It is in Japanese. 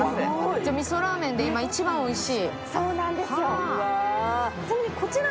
じゃあ、みそラーメンで今、一番おいしい。